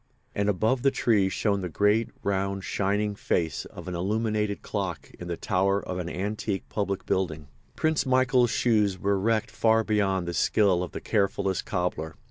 And above the trees shone the great, round, shining face of an illuminated clock in the tower of an antique public building. Prince Michael's shoes were wrecked far beyond the skill of the carefullest cobbler.